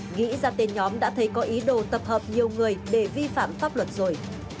nghĩ ra tên nhóm đã thấy có ý đồ tập hợp nhiều người để vi phạm pháp luật rồi